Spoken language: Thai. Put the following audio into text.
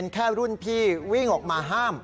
แค่รุ่นพี่วิ่งออกมาห้าม